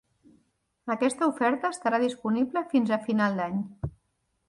Aquesta oferta estarà disponible fins a final d'any.